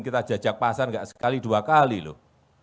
kita jajak pasang enggak sekali dua kali loh